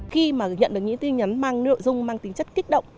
khi mà nhận được những tin nhắn mang nội dung mang tính chất kích động